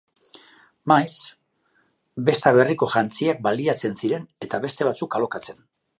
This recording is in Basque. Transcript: Maiz, Besta-Berriko jantziak baliatzen ziren eta beste batzuk alokatzen.